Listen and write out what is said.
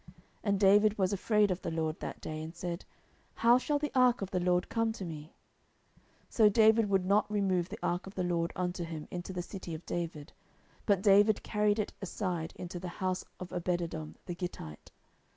10:006:009 And David was afraid of the LORD that day, and said, How shall the ark of the LORD come to me? 10:006:010 So David would not remove the ark of the LORD unto him into the city of David: but David carried it aside into the house of Obededom the Gittite.